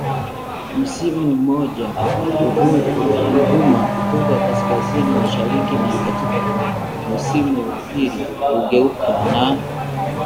msimu mmoja, huvuma kutoka kaskazini mashariki, na katika musimu wa pili hugeuka na